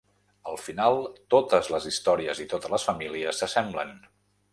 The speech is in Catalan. Al final, totes les històries i totes les famílies s’assemblen.